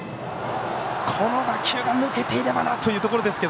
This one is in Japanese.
この打球が抜けていればというところですが。